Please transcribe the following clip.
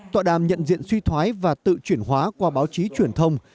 tọa đàm nhận diện suy thoái và tự chuyển hóa qua báo chí truyền thông